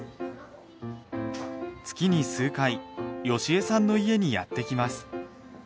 月に数回好江さんの家にやって来ます。